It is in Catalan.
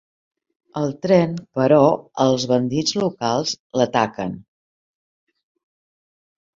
El tren, però, els bandits locals l'ataquen.